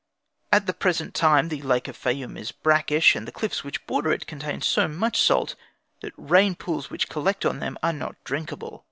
At the present time the lake of the Fayum is brackish, and the cliffs which border it contain so much salt that rain pools which collect on them are not drinkable.